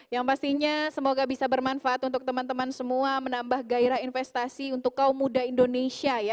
yang pastinya semoga bisa bermanfaat untuk teman teman semua menambah gairah investasi untuk kaum muda indonesia ya